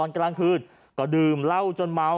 กลางคืนก็ดื่มเหล้าจนเมา